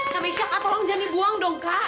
kak mesya kak tolong jangan dibuang dong kak